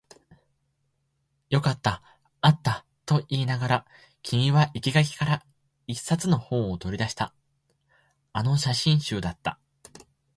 よかった、あったと言いながら、君は生垣から一冊の本を取り出した。あの写真集だった。